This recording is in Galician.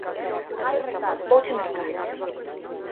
Vouche mercar